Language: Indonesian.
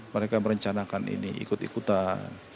mereka merencanakan ini ikut ikutan